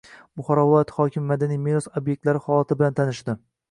Buxoro viloyati hokimi madaniy meros ob’ektlari holati bilan tanishdi